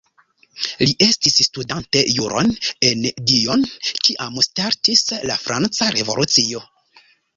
Li estis studante juron en Dijon kiam startis la Franca Revolucio.